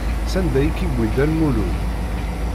Sanda i k-yewwi Dda Lmulud?